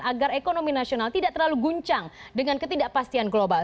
agar ekonomi nasional tidak terlalu guncang dengan ketidakpastian global